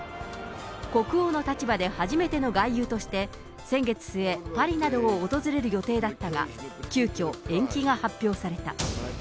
国王の立場で初めての外遊として、先月末、パリなどを訪れる予定だったが、急きょ、延期が発表された。